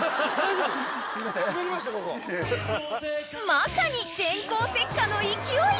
［まさに電光石火の勢い］